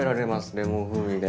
レモン風味で。